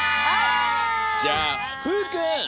じゃあふうくん！